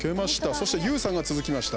そしてＹＯＵさんが続きました。